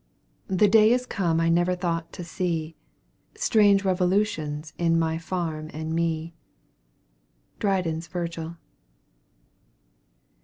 "The day is come I never thought to see, Strange revolutions in my farm and me." DRYDEN'S VIRGIL.